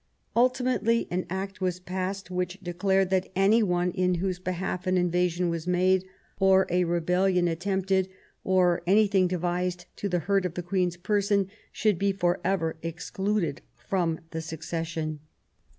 Ultimately an Act was passed which declared that any one in whose behalf an invasion was made, or a rebellion attempted, or anything devised to the hurt of the Queen's person, should be for ever excluded from the succession.